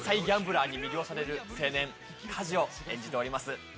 ギャンブラーに魅了される青年梶を演じております。